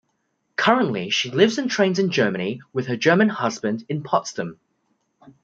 Currently she lives and trains in Germany with her German husband in Potsdam.